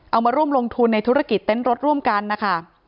เอามาร่วมลงทุนในธุรกิจเต้นรถร่วมกันนะคะ